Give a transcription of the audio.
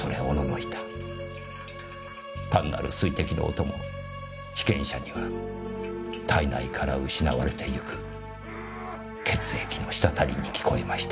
単なる水滴の音も被験者には体内から失われていく血液の滴りに聞こえました。